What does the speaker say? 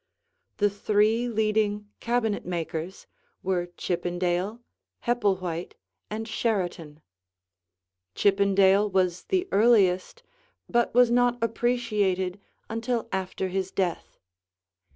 The three leading cabinetmakers were Chippendale, Hepplewhite, and Sheraton. Chippendale was the earliest but was not appreciated until after his death.